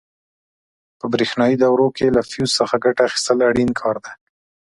په برېښنایي دورو کې له فیوز څخه ګټه اخیستل اړین کار دی.